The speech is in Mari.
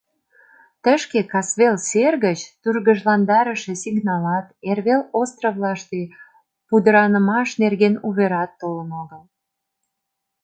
Тышке касвел сер гыч тургыжландарыше сигналат, эрвел островлаште пудыранымаш нерген уверат толын огыл.